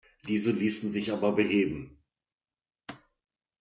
Diese ließen sich aber beheben.